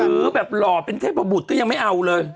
หรือแบบหล่อเป็นเทพบุตรก็ยังไม่เอาเลย